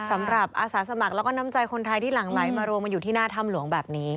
อาสาสมัครแล้วก็น้ำใจคนไทยที่หลั่งไหลมารวมกันอยู่ที่หน้าถ้ำหลวงแบบนี้